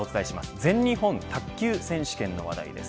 全日本卓球選手権の話題です。